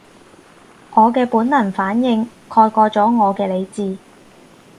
我嘅本能反應蓋過咗我嘅理智